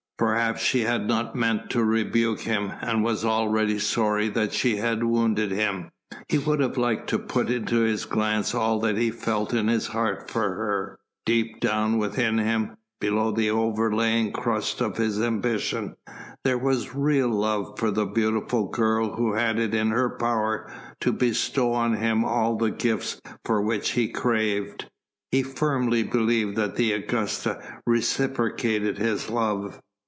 Perhaps she had not meant to rebuke him and was already sorry that she had wounded him. He would have liked to put into his glance all that he felt in his heart for her; deep down within him, below the overlaying crust of his ambition, there was real love for the beautiful girl who had it in her power to bestow on him all the gifts for which he craved. He firmly believed that the Augusta reciprocated his love.